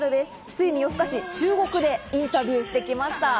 ついに『夜ふかし』が中国でインタビューしてきました。